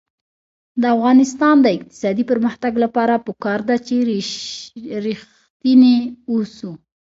د افغانستان د اقتصادي پرمختګ لپاره پکار ده چې ریښتیني اوسو.